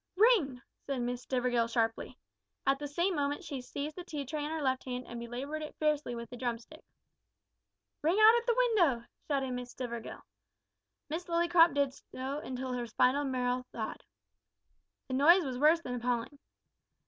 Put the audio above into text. "Ring!" said Miss Stivergill sharply. At the same moment she seized the tea tray in her left hand and belaboured it furiously with the drumstick. "Ring out at the window!" shouted Miss Stivergill. Miss Lillycrop did so until her spinal marrow thawed. The noise was worse than appalling.